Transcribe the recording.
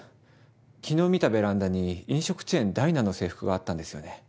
昨日見たベランダに飲食チェーンＤＩＮＡＨの制服があったんですよね。